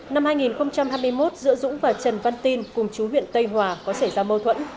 năm hai nghìn hai mươi một giữa dũng và trần văn tin cùng chú huyện tây hòa có xảy ra mâu thuẫn